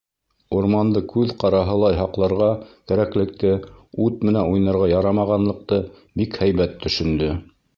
Урманды күҙ ҡараһы лай һаҡларға кәрәклекте, ут менән уйнарға ярамағанлыҡты бик һәйбәт төшөндө.